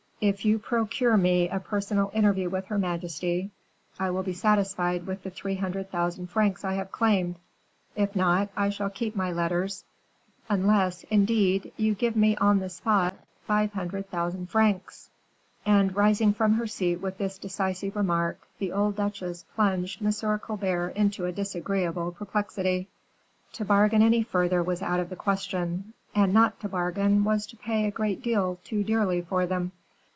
If you procure me a personal interview with her majesty, I will be satisfied with the three hundred thousand francs I have claimed; if not, I shall keep my letters, unless, indeed, you give me, on the spot, five hundred thousand francs." And rising from her seat with this decisive remark, the old duchesse plunged M. Colbert into a disagreeable perplexity. To bargain any further was out of the question; and not to bargain was to pay a great deal too dearly for them.